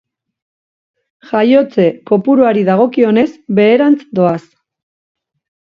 Jaiotze kopuruari dagokionez, beherantz doaz.